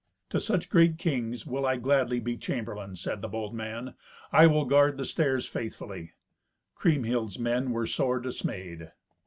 "To such great kings will I gladly be chamberlain," said the bold man; "I will guard the stairs faithfully." Kriemhild's men were sore dismayed.